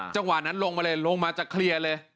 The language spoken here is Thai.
จังหวะนั้นลงมาเลยลงมาจะเคลียร์เลย